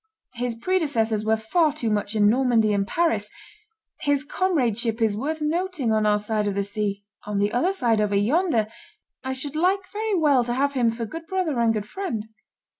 His predecessors were far too much in Normandy and Paris; his comradeship is worth nothing on our side of the sea; on the other side, over yonder, I should like very well to have him for good brother and good friend."